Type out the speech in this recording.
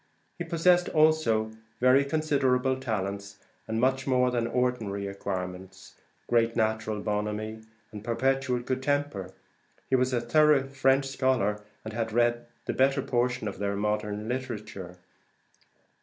He possessed also very considerable talents, and much more than ordinary acquirements, great natural bonhommie, and perpetual good temper. He was a thorough French scholar, and had read the better portion of their modern literature.